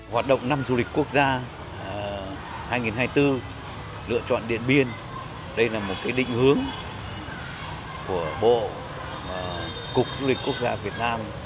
hoạt động năm du lịch quốc gia hai nghìn hai mươi bốn lựa chọn điện biên đây là một định hướng của bộ cục du lịch quốc gia việt nam